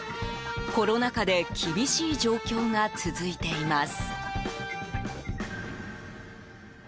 コロナ禍で厳しい状況が続いています。